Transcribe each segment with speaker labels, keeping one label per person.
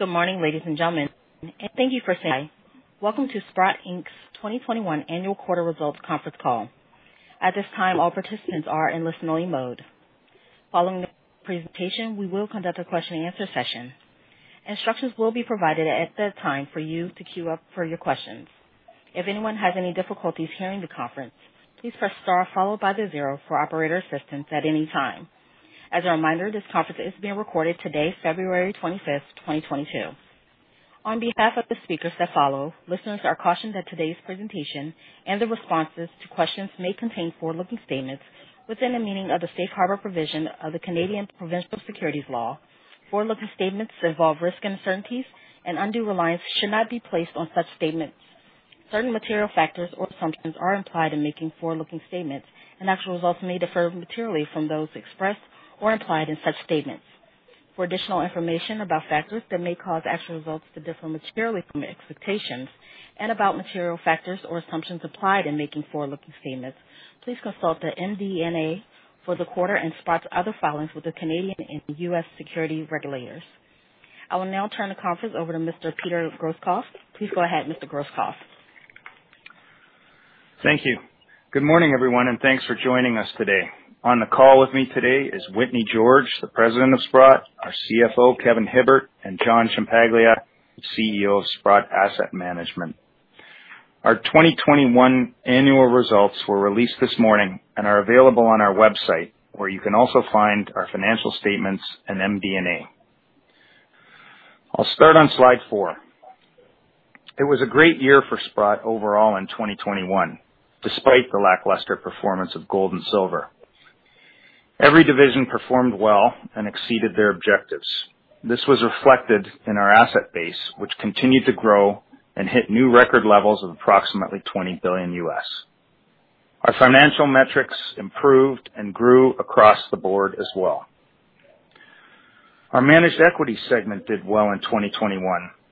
Speaker 1: Good morning, ladies and gentlemen. Thank you for staying. Welcome to Sprott Inc's 2021 and fourth quarter results conference call. At this time, all participants are in listen-only mode. Following the presentation, we will conduct a question and answer session. Instructions will be provided at that time for you to queue up for your questions. If anyone has any difficulties hearing the conference, please press star followed by the zero for operator assistance at any time. As a reminder, this conference is being recorded today, February 25, 2022. On behalf of the speakers that follow, listeners are cautioned that today's presentation and the responses to questions may contain forward-looking statements within the meaning of the Safe Harbor provision of the Canadian Provincial Securities Law. Forward-looking statements involve risks and uncertainties, and undue reliance should not be placed on such statements. Certain material factors or assumptions are implied in making forward-looking statements, and actual results may differ materially from those expressed or implied in such statements. For additional information about factors that may cause actual results to differ materially from expectations and about material factors or assumptions applied in making forward-looking statements, please consult the MD&A for the quarter and Sprott's other filings with the Canadian and U.S. securities regulators. I will now turn the conference over to Mr. Peter Grosskopf. Please go ahead, Mr. Grosskopf.
Speaker 2: Thank you. Good morning, everyone, and thanks for joining us today. On the call with me today is Whitney George, President of Sprott, our CFO, Kevin Hibbert, and John Ciampaglia, CEO of Sprott Asset Management. Our 2021 annual results were released this morning and are available on our website, where you can also find our financial statements and MD&A. I'll start on slide four. It was a great year for Sprott overall in 2021, despite the lackluster performance of gold and silver. Every division performed well and exceeded their objectives. This was reflected in our asset base, which continued to grow and hit new record levels of approximately $20 billion. Our financial metrics improved and grew across the board as well. Our managed equity segment did well in 2021.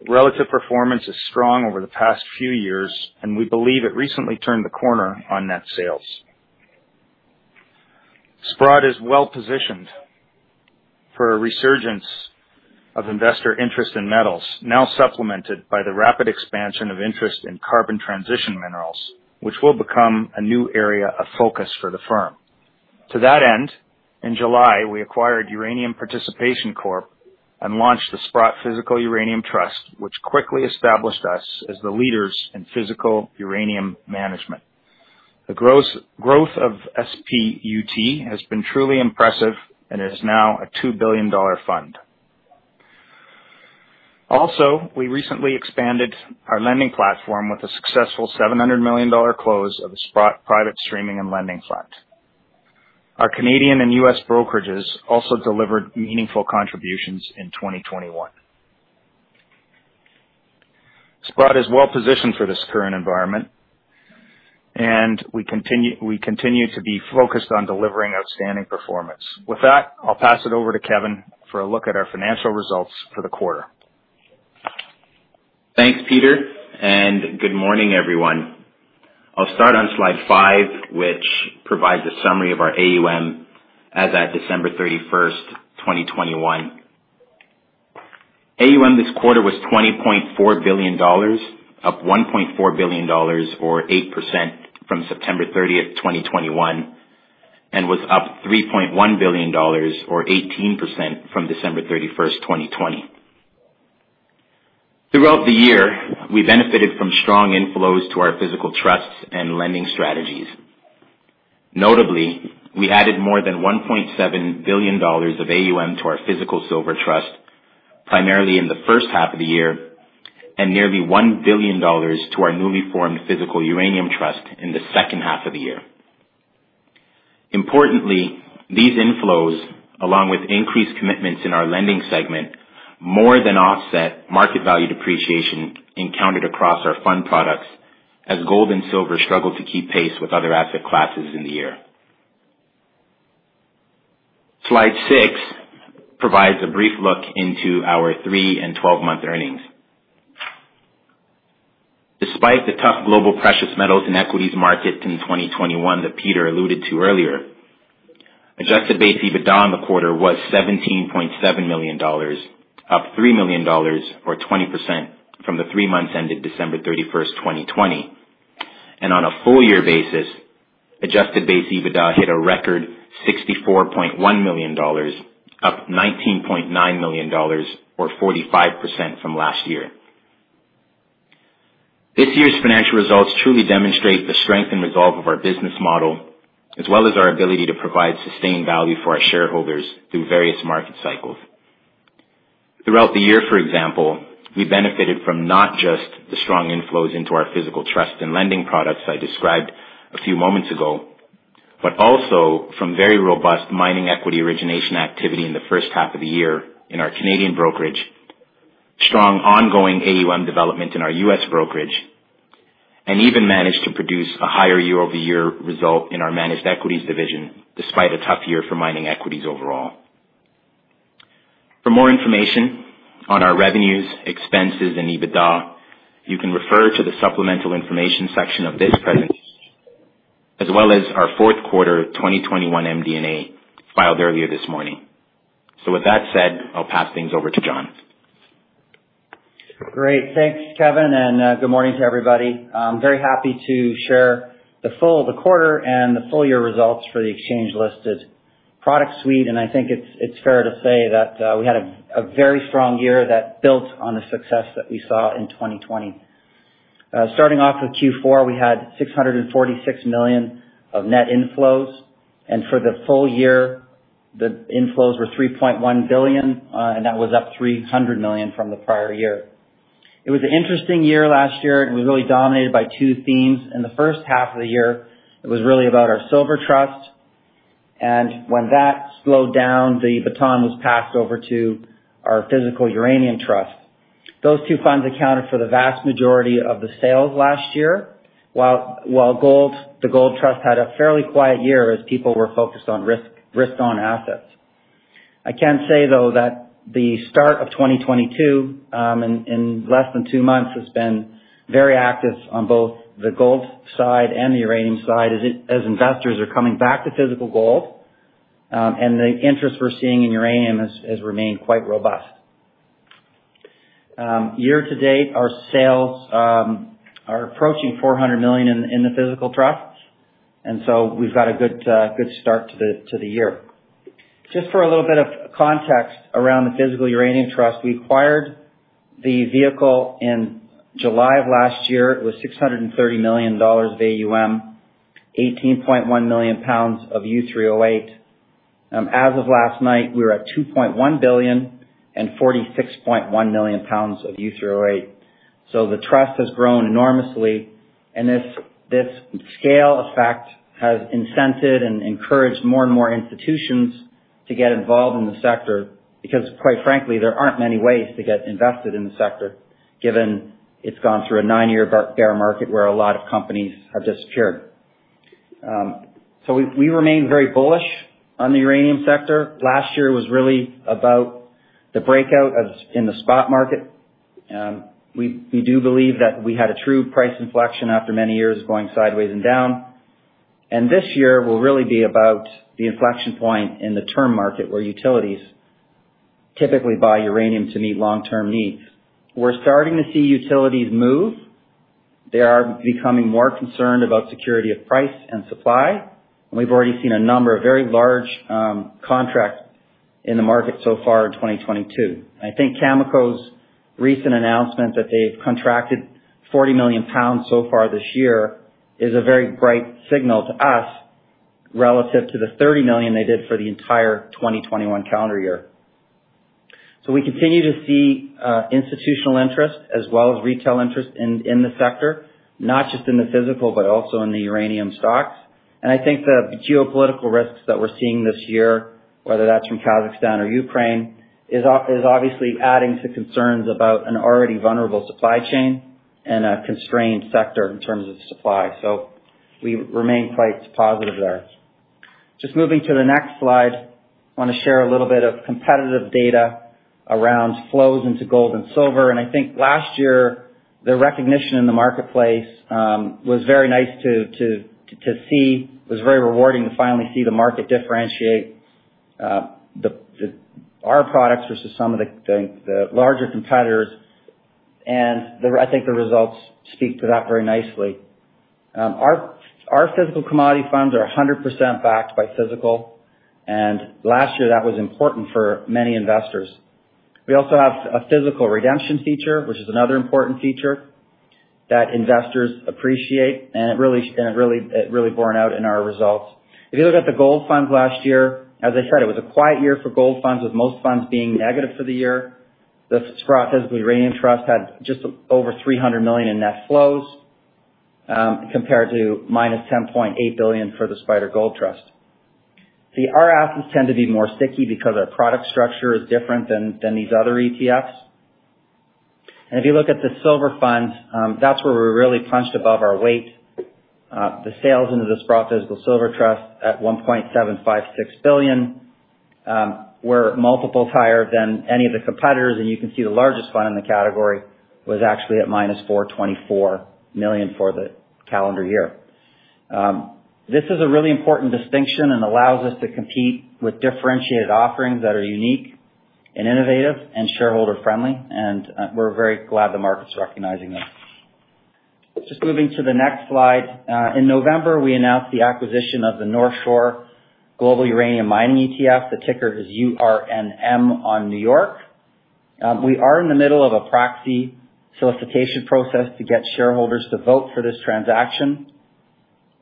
Speaker 2: Relative performance is strong over the past few years, and we believe it recently turned the corner on net sales. Sprott is well-positioned for a resurgence of investor interest in metals, now supplemented by the rapid expansion of interest in carbon transition minerals, which will become a new area of focus for the firm. To that end, in July, we acquired Uranium Participation Corp and launched the Sprott Physical Uranium Trust, which quickly established us as the leaders in physical uranium management. The growth of SPUT has been truly impressive and is now a $2 billion fund. Also, we recently expanded our lending platform with a successful $700 million close of the Sprott Private Resource Streaming and Royalty Fund. Our Canadian and U.S. brokerages also delivered meaningful contributions in 2021. Sprott is well positioned for this current environment, and we continue to be focused on delivering outstanding performance. With that, I'll pass it over to Kevin for a look at our financial results for the quarter.
Speaker 3: Thanks, Peter, and good morning, everyone. I'll start on slide five, which provides a summary of our AUM as at December 31, 2021. AUM this quarter was $20.4 billion, up $1.4 billion or 8% from September 30, 2021, and was up $3.1 billion or 18% from December 31, 2020. Throughout the year, we benefited from strong inflows to our physical trusts and lending strategies. Notably, we added more than $1.7 billion of AUM to our Physical Silver Trust primarily in the first half of the year and nearly $1 billion to our newly formed Physical Uranium Trust in the second half of the year. Importantly, these inflows, along with increased commitments in our lending segment, more than offset market value depreciation encountered across our fund products as gold and silver struggled to keep pace with other asset classes in the year. Slide six provides a brief look into our three- and 12-month earnings. Despite the tough global precious metals and equities market in 2021 that Peter alluded to earlier, adjusted base EBITDA on the quarter was CAD 17.7 million, up CAD 3 million or 20% from the three months ended December 31, 2020. On a full year basis, adjusted base EBITDA hit a record 64.1 million dollars, up 19.9 million dollars or 45% from last year. This year's financial results truly demonstrate the strength and resolve of our business model, as well as our ability to provide sustained value for our shareholders through various market cycles. Throughout the year, for example, we benefited from not just the strong inflows into our physical trust and lending products that I described a few moments ago, but also from very robust mining equity origination activity in the first half of the year in our Canadian brokerage, strong ongoing AUM development in our U.S. brokerage, and even managed to produce a higher year-over-year result in our managed equities division despite a tough year for mining equities overall. For more information on our revenues, expenses, and EBITDA, you can refer to the supplemental information section of this presentation, as well as our fourth quarter 2021 MD&A filed earlier this morning. With that said, I'll pass things over to John.
Speaker 4: Great. Thanks, Kevin, and good morning to everybody. I'm very happy to share the fourth quarter and the full year results for the exchange listed product suite, and I think it's fair to say that we had a very strong year that built on the success that we saw in 2020. Starting off with Q4, we had 646 million of net inflows, and for the full year, the inflows were 3.1 billion, and that was up 300 million from the prior year. It was an interesting year last year, and it was really dominated by two themes. In the first half of the year, it was really about our silver trust, and when that slowed down, the baton was passed over to our physical uranium trust. Those two funds accounted for the vast majority of the sales last year, while the gold trust had a fairly quiet year as people were focused on risk-on assets. I can say, though, that the start of 2022 in less than two months has been very active on both the gold side and the uranium side as investors are coming back to physical gold, and the interest we're seeing in uranium has remained quite robust. Year to date, our sales are approaching 400 million in the physical trust, and so we've got a good start to the year. Just for a little bit of context around the physical uranium trust, we acquired the vehicle in July of last year. It was $630 million of AUM, 18.1 million pounds of U3O8. As of last night, we were at $2.1 billion and 46.1 million pounds of U3O8. The trust has grown enormously, and this scale effect has incented and encouraged more and more institutions to get involved in the sector, because quite frankly, there aren't many ways to get invested in the sector, given it's gone through a nine-year bear market where a lot of companies have disappeared. We remain very bullish on the uranium sector. Last year was really about the breakout in the spot market. We do believe that we had a true price inflection after many years of going sideways and down. This year will really be about the inflection point in the term market where utilities typically buy uranium to meet long-term needs. We're starting to see utilities move. They are becoming more concerned about security of price and supply, and we've already seen a number of very large contracts in the market so far in 2022. I think Cameco's recent announcement that they've contracted 40 million pounds so far this year is a very bright signal to us relative to the 30 million they did for the entire 2021 calendar year. We continue to see institutional interest as well as retail interest in the sector, not just in the physical, but also in the uranium stocks. I think the geopolitical risks that we're seeing this year, whether that's from Kazakhstan or Ukraine, is obviously adding to concerns about an already vulnerable supply chain and a constrained sector in terms of supply. We remain quite positive there. Just moving to the next slide, wanna share a little bit of competitive data around flows into gold and silver. I think last year, the recognition in the marketplace was very nice to see. It was very rewarding to finally see the market differentiate our products versus some of the larger competitors. I think the results speak to that very nicely. Our physical commodity funds are 100% backed by physical, and last year that was important for many investors. We also have a physical redemption feature, which is another important feature that investors appreciate, and it really borne out in our results. If you look at the gold funds last year, as I said, it was a quiet year for gold funds, with most funds being negative for the year. The Sprott Physical Uranium Trust had just over $300 million in net flows, compared to -$10.8 billion for the SPDR Gold Trust. See, our assets tend to be more sticky because our product structure is different than these other ETFs. If you look at the silver funds, that's where we're really punched above our weight. The sales into the Sprott Physical Silver Trust at $1.756 billion were multiples higher than any of the competitors, and you can see the largest fund in the category was actually at -$424 million for the calendar year. This is a really important distinction and allows us to compete with differentiated offerings that are unique and innovative and shareholder-friendly, and we're very glad the market's recognizing this. Just moving to the next slide. In November, we announced the acquisition of the North Shore Global Uranium Miners ETF. The ticker is URNM on New York. We are in the middle of a proxy solicitation process to get shareholders to vote for this transaction,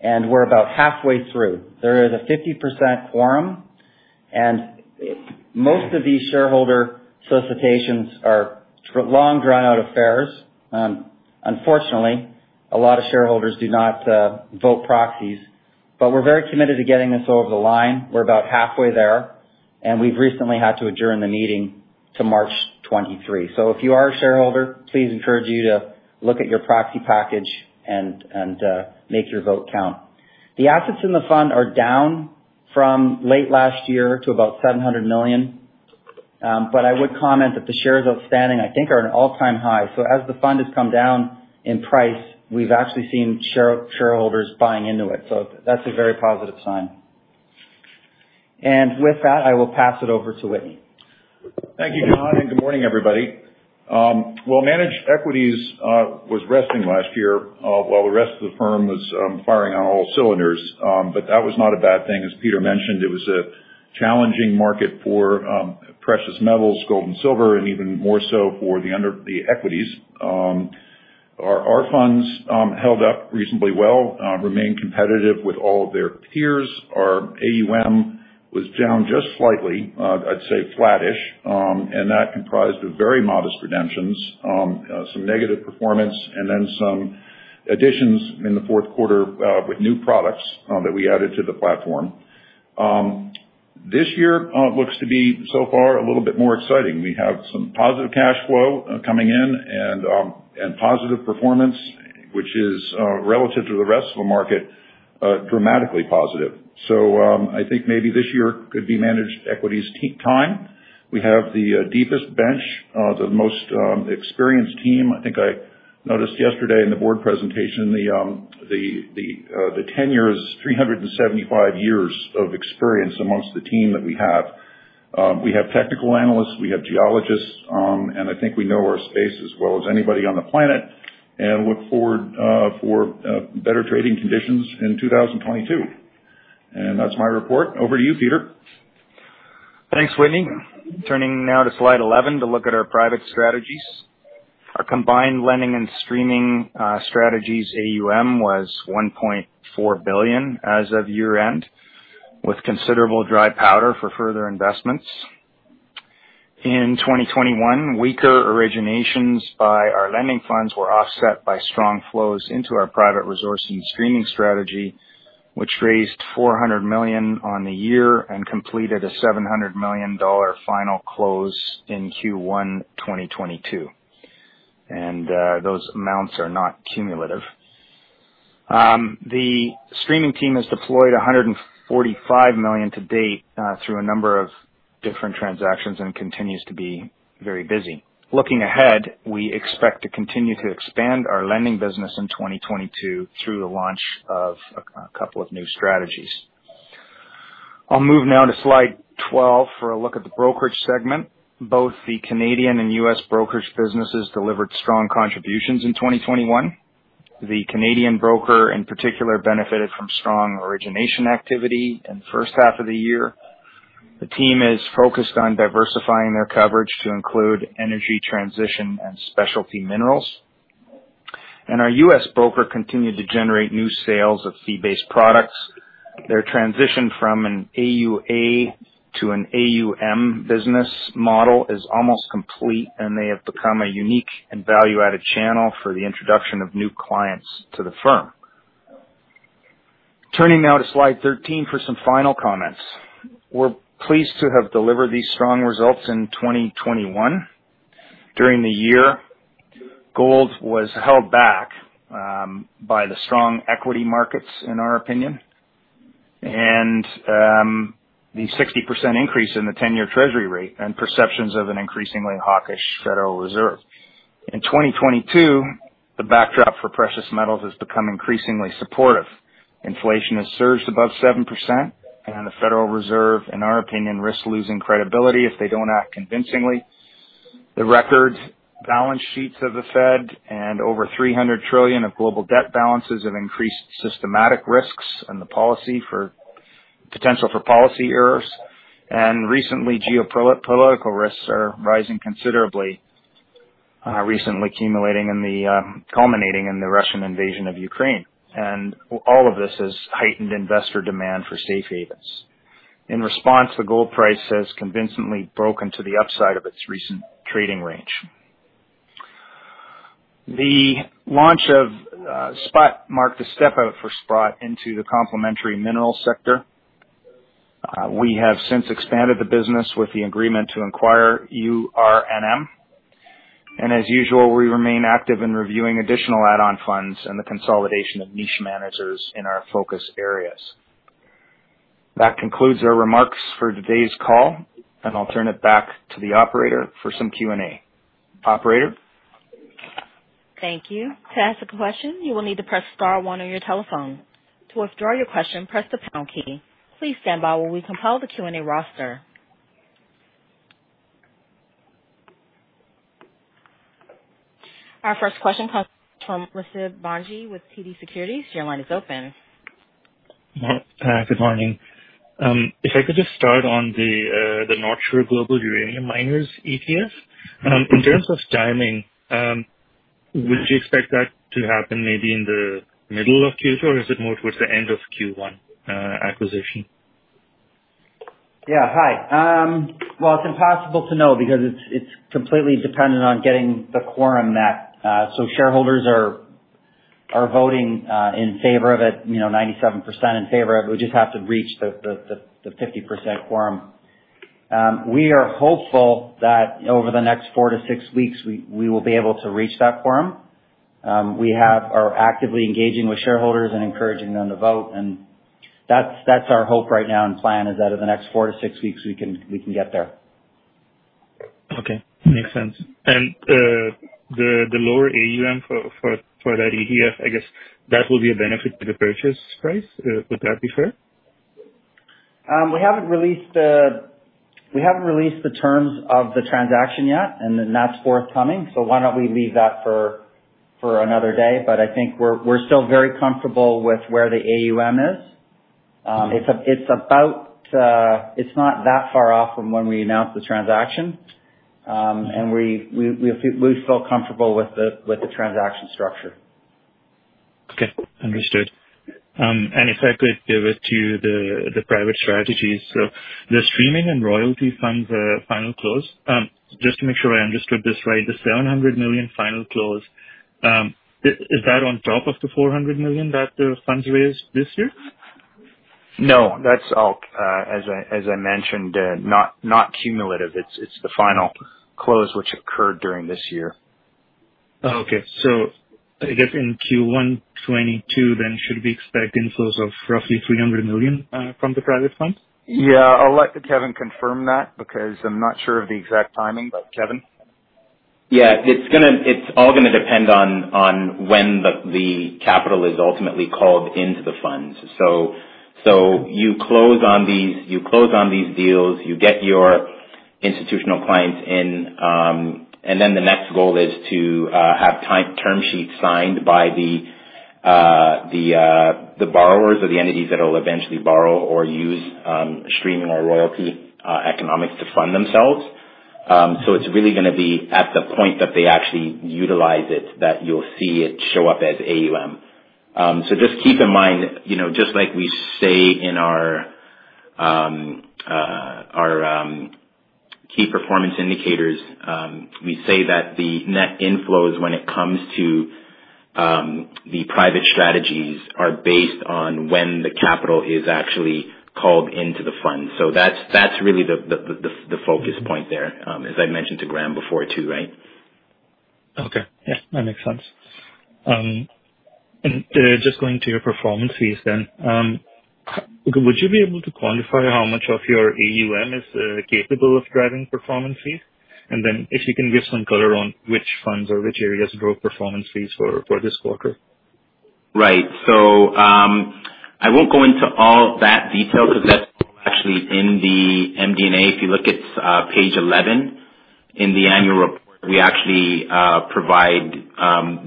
Speaker 4: and we're about halfway through. There is a 50% quorum, and most of these shareholder solicitations are prolonged, drawn-out affairs. Unfortunately, a lot of shareholders do not vote proxies, but we're very committed to getting this over the line. We're about halfway there, and we've recently had to adjourn the meeting to March 23. If you are a shareholder, please encourage you to look at your proxy package and make your vote count. The assets in the fund are down from late last year to about 700 million. I would comment that the shares outstanding, I think, are at an all-time high. As the fund has come down in price, we've actually seen shareholders buying into it, so that's a very positive sign. With that, I will pass it over to Whitney.
Speaker 5: Thank you, John, and good morning, everybody. Well, Managed Equities was resting last year while the rest of the firm was firing on all cylinders. That was not a bad thing. As Peter mentioned, it was a challenging market for precious metals, gold and silver, and even more so for the equities. Our funds held up reasonably well, remained competitive with all of their peers. Our AUM was down just slightly, I'd say flat-ish, and that comprised of very modest redemptions, some negative performance, and then some additions in the fourth quarter with new products that we added to the platform. This year looks to be, so far, a little bit more exciting. We have some positive cash flow coming in and positive performance, which is relative to the rest of the market dramatically positive. I think maybe this year could be Managed Equities' t-time. We have the deepest bench, the most experienced team. I think I noticed yesterday in the board presentation the tenures, 375 years of experience amongst the team that we have. We have technical analysts, we have geologists, and I think we know our space as well as anybody on the planet, and look forward for better trading conditions in 2022. That's my report. Over to you, Peter.
Speaker 2: Thanks, Whitney. Turning now to slide 11 to look at our private strategies. Our combined lending and streaming strategies AUM was $1.4 billion as of year-end, with considerable dry powder for further investments. In 2021, weaker originations by our lending funds were offset by strong flows into our private resource and streaming strategy, which raised $400 million on the year and completed a $700 million final close in Q1 2022. Those amounts are not cumulative. The streaming team has deployed $145 million to date through a number of different transactions and continues to be very busy. Looking ahead, we expect to continue to expand our lending business in 2022 through the launch of a couple of new strategies. I'll move now to slide 12 for a look at the brokerage segment. Both the Canadian and U.S. brokerage businesses delivered strong contributions in 2021. The Canadian broker, in particular, benefited from strong origination activity in the first half of the year. The team is focused on diversifying their coverage to include energy transition and specialty minerals. Our U.S. broker continued to generate new sales of fee-based products. Their transition from an AUA to an AUM business model is almost complete, and they have become a unique and value-added channel for the introduction of new clients to the firm. Turning now to slide 13 for some final comments. We're pleased to have delivered these strong results in 2021. During the year, gold was held back by the strong equity markets, in our opinion, and the 60% increase in the 10-year treasury rate and perceptions of an increasingly hawkish Federal Reserve. In 2022, the backdrop for precious metals has become increasingly supportive. Inflation has surged above 7%, and the Federal Reserve, in our opinion, risks losing credibility if they don't act convincingly. The record balance sheets of the Fed and over $300 trillion of global debt balances have increased systemic risks and the potential for policy errors. Recently, geopolitical risks are rising considerably, culminating in the Russian invasion of Ukraine. All of this has heightened investor demand for safe havens. In response, the gold price has convincingly broken to the upside of its recent trading range. The launch of Sprott marked a step out for Sprott into the complementary minerals sector. We have since expanded the business with the agreement to acquire URNM. As usual, we remain active in reviewing additional add-on funds and the consolidation of niche managers in our focus areas. That concludes our remarks for today's call, and I'll turn it back to the operator for some Q&A. Operator?
Speaker 1: Thank you. To ask a question, you will need to press star one on your telephone. To withdraw your question, press the pound key. Please stand by while we compile the Q&A roster. Our first question comes from Rasib Bhanji with TD Securities. Your line is open.
Speaker 6: Good morning. If I could just start on the North Shore Global Uranium Miners ETF. In terms of timing, would you expect that to happen maybe in the middle of Q2 or is it more towards the end of Q1 acquisition?
Speaker 4: Yeah. Hi. Well, it's impossible to know because it's completely dependent on getting the quorum, so shareholders are voting in favor of it, you know, 97% in favor of it. We just have to reach the 50% quorum. We are hopeful that over the next four to six weeks, we will be able to reach that quorum. We are actively engaging with shareholders and encouraging them to vote. That's our hope right now and plan is that over the next four to six weeks we can get there.
Speaker 6: Okay. Makes sense. The lower AUM for that year, I guess that will be a benefit to the purchase price. Would that be fair?
Speaker 4: We haven't released the terms of the transaction yet, and that's forthcoming. Why don't we leave that for another day. I think we're still very comfortable with where the AUM is. It's about. It's not that far off from when we announced the transaction. We feel comfortable with the transaction structure.
Speaker 6: Okay. Understood. If I could pivot to the private strategies. The streaming and royalty funds final close, just to make sure I understood this right. The 700 million final close, is that on top of the 400 million that the funds raised this year?
Speaker 2: No, that's all. As I mentioned, not cumulative. It's the final close which occurred during this year.
Speaker 6: Okay. I guess in Q1 2022 then, should we expect inflows of roughly $300 million from the private funds?
Speaker 2: Yeah. I'll let Kevin confirm that because I'm not sure of the exact timing. Kevin?
Speaker 3: It's all gonna depend on when the capital is ultimately called into the funds. You close on these deals, you get your institutional clients in, and then the next goal is to have term sheets signed by the borrowers or the entities that will eventually borrow or use streaming or royalty economics to fund themselves. It's really gonna be at the point that they actually utilize it that you'll see it show up as AUM. Just keep in mind, you know, just like we say in our key performance indicators, we say that the net inflows when it comes to the private strategies are based on when the capital is actually called into the fund. That's really the focal point there, as I mentioned to Graham before too, right?
Speaker 6: Okay. Yeah, that makes sense. Just going to your performance fees then, would you be able to quantify how much of your AUM is capable of driving performance fees? And then if you can give some color on which funds or which areas drove performance fees for this quarter.
Speaker 3: Right. I won't go into all that detail because that's all actually in the MD&A. If you look at page 11 in the annual report, we actually provide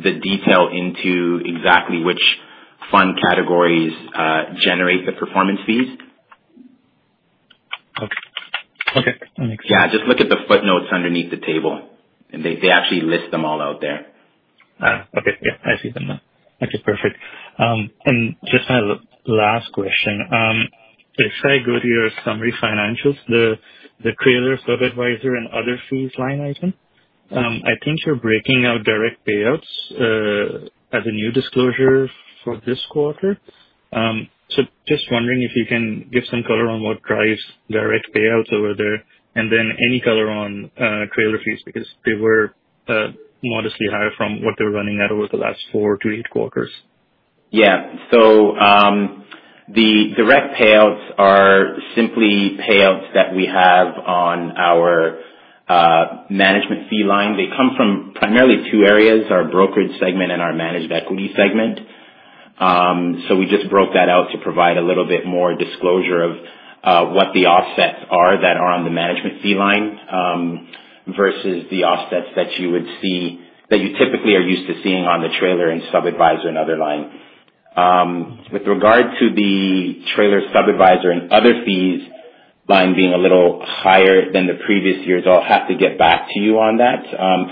Speaker 3: the detail into exactly which fund categories generate the performance fees.
Speaker 6: Okay. That makes sense.
Speaker 3: Yeah. Just look at the footnotes underneath the table, and they actually list them all out there.
Speaker 6: Okay. Yeah, I see them now. Okay, perfect. Just my last question. If I go to your summary financials, the trailer sub-adviser and other fees line item, I think you're breaking out direct payouts as a new disclosure for this quarter. Just wondering if you can give some color on what drives direct payouts over there, and then any color on trailer fees because they were modestly higher from what they were running at over the last four-eight quarters.
Speaker 3: Yeah. The direct payouts are simply payouts that we have on our management fee line. They come from primarily two areas, our brokerage segment and our managed equity segment. We just broke that out to provide a little bit more disclosure of what the offsets are that are on the management fee line versus the offsets that you would see that you typically are used to seeing on the trailer and sub-adviser and other line. With regard to the trailer sub-adviser and other fees line being a little higher than the previous years, I'll have to get back to you on that.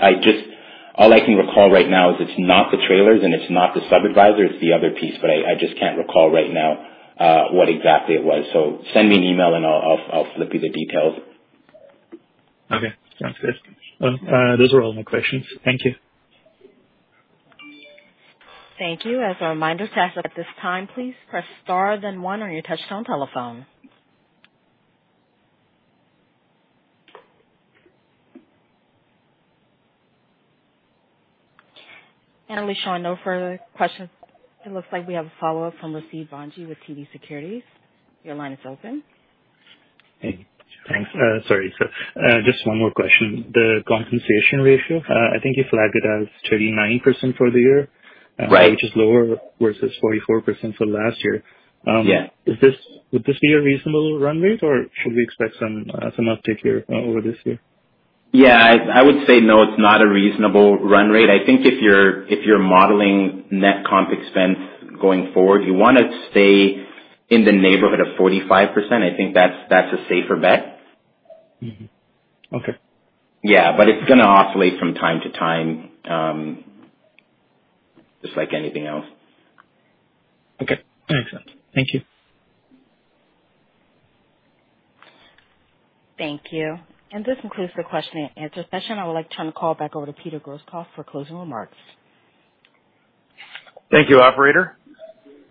Speaker 3: I just. All I can recall right now is it's not the trailers and it's not the sub-adviser, it's the other piece, but I just can't recall right now what exactly it was. Send me an email and I'll flip you the details.
Speaker 6: Okay. Sounds good. Those are all my questions. Thank you.
Speaker 1: Thank you. As a reminder to ask at this time, please press star then one on your touch-tone telephone. Leshan, no further questions. It looks like we have a follow-up from Rasib Bhanji with TD Securities. Your line is open.
Speaker 6: Hey. Thanks. Sorry. Just one more question. The compensation ratio, I think you flagged it as 39% for the year.
Speaker 3: Right.
Speaker 6: which is lower versus 44% for last year.
Speaker 3: Yeah.
Speaker 6: Would this be a reasonable run rate or should we expect some uptick here over this year?
Speaker 3: Yeah. I would say no, it's not a reasonable run rate. I think if you're modeling net comp expense going forward, you wanna stay in the neighborhood of 45%. I think that's a safer bet.
Speaker 6: Mm-hmm. Okay.
Speaker 3: Yeah. It's gonna oscillate from time to time, just like anything else.
Speaker 6: Okay. Makes sense. Thank you.
Speaker 1: Thank you. This concludes the question and answer session. I would like to turn the call back over to Peter Grosskopf for closing remarks.
Speaker 2: Thank you, operator.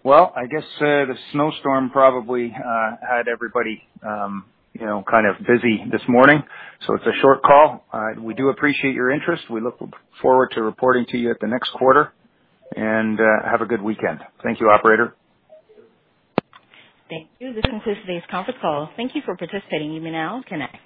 Speaker 2: Well, I guess the snowstorm probably had everybody, you know, kind of busy this morning, so it's a short call. We do appreciate your interest. We look forward to reporting to you at the next quarter. Have a good weekend. Thank you, operator.
Speaker 1: Thank you. This concludes today's conference call. Thank you for participating. You may now disconnect.